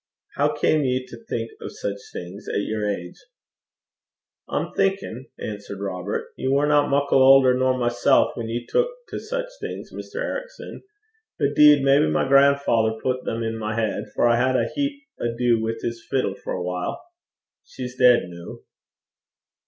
'How came you to think of such things at your age?' 'I'm thinkin',' answered Robert, 'ye warna muckle aulder nor mysel' whan ye took to sic things, Mr. Ericson. But, 'deed, maybe my luckie daddie (grandfather) pat them i' my heid, for I had a heap ado wi' his fiddle for a while. She's deid noo.'